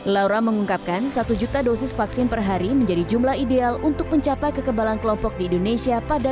laura mengungkapkan satu juta dosis vaksin per hari menjadi jumlah ideal untuk mencapai kekebalan kelompok di indonesia pada dua ribu dua puluh